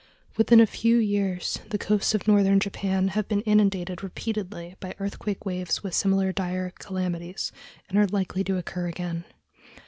Within a few years the coasts of northern Japan have been inundated repeatedly by earthquake waves with similar dire calamities, and they are likely to occur again.